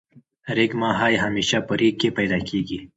ریګ ماهی همیشه په ریګ کی پیدا کیږی.